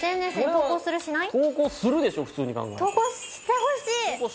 投稿してほしい。